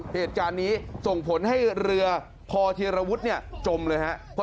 เหตุการณ์นี้ส่งผลให้เรือพอเทียรวุฒิเนี่ยจมเลยครับ